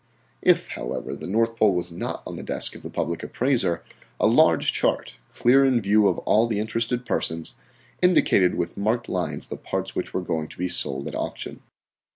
If, however, the North Pole was not on the desk of the Public Appraiser, a large chart, clear in view of all interested persons, indicated with marked lines the parts which were going to be sold at auction.